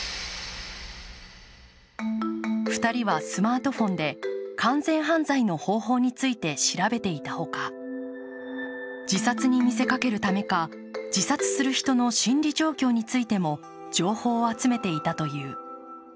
２人は、スマートフォンで完全犯罪の方法について調べていたほか自殺に見せかけるためか自殺する人の心理状況についても情報を集めていたという。